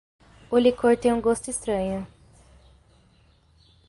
O licor tem um gosto estranho.